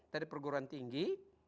dari perguruan tinggi